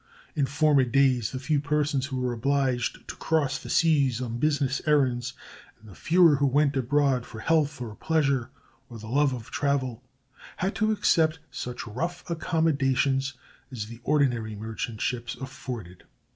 In former days the few persons who were obliged to cross the seas on business errands, and the fewer who went abroad for health or pleasure or the love of travel, had to accept such rough accommodations as the ordinary merchant ships afforded.